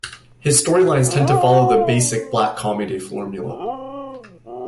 His storylines tend to follow the basic black comedy formula.